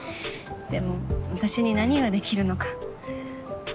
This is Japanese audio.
でも私に何ができるのか。